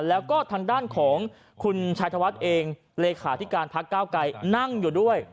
แล้วก็ทางด้านของคุณชายธวัฒน์เองเลขาธิการพักก้าวไกรนั่งอยู่ด้วย